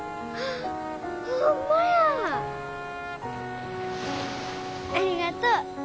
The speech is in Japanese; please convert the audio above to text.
ありがとう。